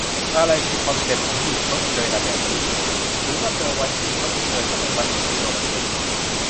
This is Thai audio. อะไรคือคอนเซปต์ของ "หยุดชดเชย" ล่ะ แบบนี้ หรือว่าตัววันหยุดชดเชย ก็เป็นวันหยุดในตัวมันเอง ?